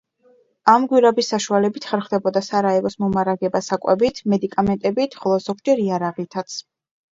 ამ გვირაბის საშუალებით ხერხდებოდა სარაევოს მომარაგება საკვებით, მედიკამენტებით, ხოლო ზოგჯერ იარაღითაც.